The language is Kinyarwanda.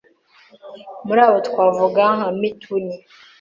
muri abo twavuga nka mituni